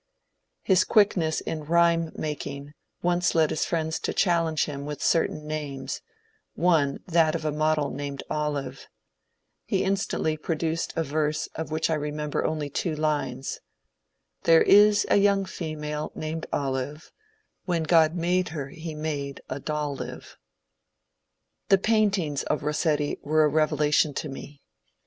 His quickness in rhyme making once led his friends to challenge him with certain names, one that of a model named Olive : he instantly produced a verse of which I remember only two lines :— There is a young female named Olive ' When God made her he made a doll live. The paintings of Rossetti were a revelation to me.